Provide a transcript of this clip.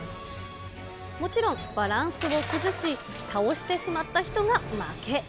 もちろん、バランスを崩し、倒してしまった人が負け。